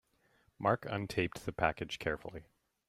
Mark untaped the package carefully.